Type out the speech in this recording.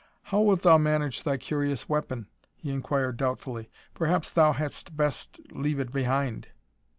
"How wilt thou manage thy curious weapon?" he inquired doubtfully. "Perhaps thou hadst best leave it behind."